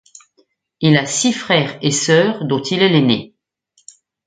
Il a six frères et sœurs dont il est l'aîné.